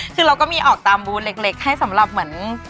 คือเราก็มีออกตามบูธเล็กให้สำหรับเหมือน